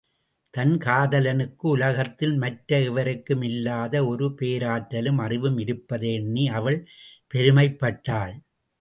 தன் காதலனுக்கு உலகத்தில் மற்ற எவருக்கும் இல்லாத ஒரு பேராற்றலும், அறிவும் இருப்பதை எண்ணி அவள் பெருமைப் பட்டாள்.